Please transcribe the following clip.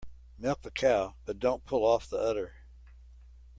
Milk the cow but don't pull off the udder.